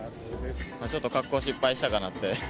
ちょっと格好、失敗したかなと思って。